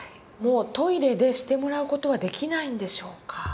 もうトイレでしてもらう事はできないんでしょうか。